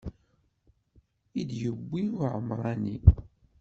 I d-yewwi uɛemṛani.